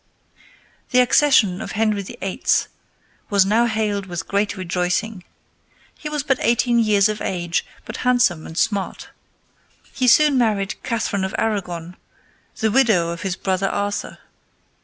The accession of Henry VIII. was now hailed with great rejoicing. He was but eighteen years of age, but handsome and smart. He soon married Catherine of Aragon, the widow of his brother Arthur.